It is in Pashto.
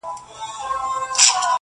که منګول یې دی تېره مشوکه غټه!.